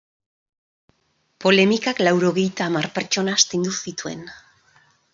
Polemikak laurogeita hamar pertsona astindu zituen.